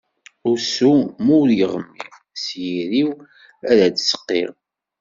Ussu-w ma ur yeɣmi, s yiri-iw ara ad t-seqqiɣ.